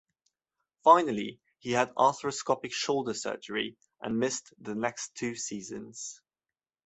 Finally, he had arthroscopic shoulder surgery and missed the next two seasons.